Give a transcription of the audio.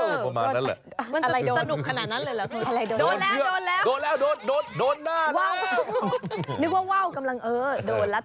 นึกว่าว้าวกำลังโดนแล้วติดลง